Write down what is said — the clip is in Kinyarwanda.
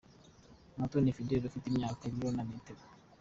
Umutoni Fidela afite imyaka , ibiro na metero .